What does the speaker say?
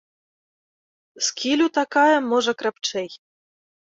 З кілю такая, можа, крапчэй.